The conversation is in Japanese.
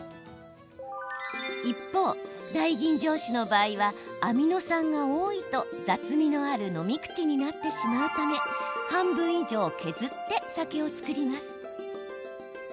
一方、大吟醸酒の場合はアミノ酸が多いと雑味のある飲み口になってしまうため半分以上を削って酒を造ります。